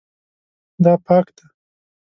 دا پاک دی